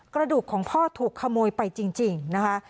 กระดูกของพ่อถูกขโมยไปจริงนะคะ